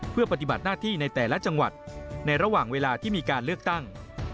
เพื่อปฏิบัติหน้าที่ในแต่ละจังหวัดในระหว่างเวลาที่มีการเลือกตั้ง